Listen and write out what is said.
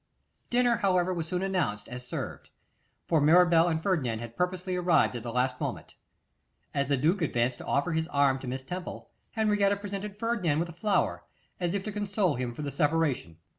Dinner, however, was soon announced as served, for Mirabel and Ferdinand had purposely arrived at the last moment. As the duke advanced to offer his arm to Miss Temple, Henrietta presented Ferdinand with a flower, as if to console him for the separation.